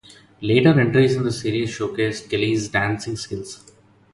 Later entries in the series showcased Kelly's dancing skills.